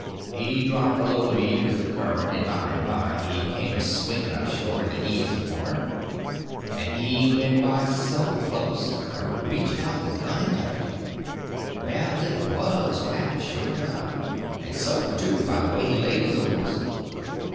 He dropped below me with the current, and by and by he came a swinging up shore in the easy water, and he went by so close I could a reached out the gun and touched him. Well, it was pap, sure enough—and sober, too, by the way he laid his oars.